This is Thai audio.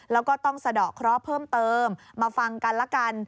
แล้วก็ต้องสะดอกเคราะห์เพิ่มเติมมาฟังกันละกัน